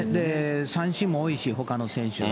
三振も多いし、ほかの選手が。